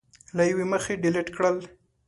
له یوې مخې ډیلېټ کړل